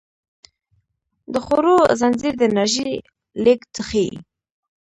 د خوړو زنځیر د انرژۍ لیږد ښيي